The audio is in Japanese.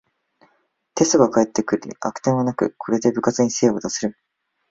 テストが返ってきて赤点はなく、これで部活に精を出せる